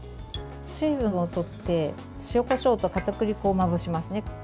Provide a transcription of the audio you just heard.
水分を取って塩、こしょうとかたくり粉をまぶしますね。